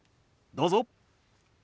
どうぞ。